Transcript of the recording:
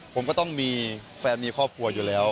ผมก็ต้องมีแฟนมีครอบครัวอยู่แล้ว